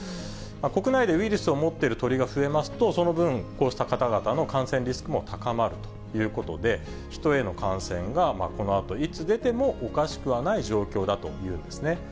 国内でウイルスを持っている鳥が増えますと、その分、こうした方々の感染リスクも高まるということで、ヒトへの感染がこのあと、いつ出てもおかしくはない状況だというんですね。